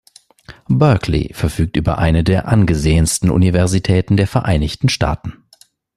Berkeley verfügt über eine der angesehensten Universitäten der Vereinigten Staaten.